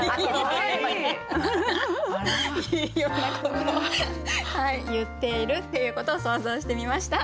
ようなこと言っているっていうことを想像してみました。